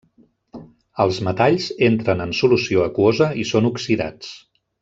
Els metalls entren en solució aquosa i són oxidats.